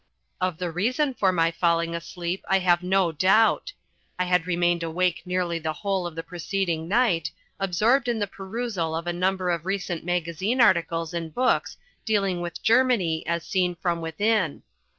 Of the reason for my falling asleep I have no doubt. I had remained awake nearly the whole of the preceding night, absorbed in the perusal of a number of recent magazine articles and books dealing with Germany as seen from within.